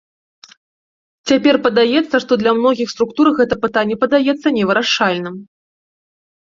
Цяпер падаецца, што для многіх структур гэта пытанне падаецца невырашальным.